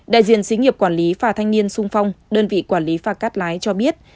đại diện xí nghiệp quản lý phà thanh niên sung phong đơn vị quản lý phà cắt lái cho biết